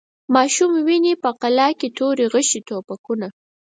ماشوم ویني په قلا کي توري، غشي، توپکونه